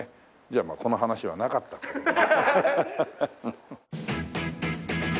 じゃあまあこの話はなかったという事で。